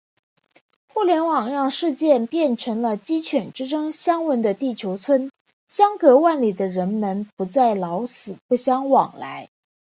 互联网让世界变成了“鸡犬之声相闻”的地球村，相隔万里的人们不再“老死不相往来”。